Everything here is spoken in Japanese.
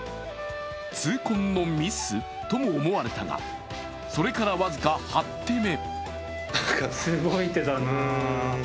痛恨のミス？とも思われたがそれから僅か８手目。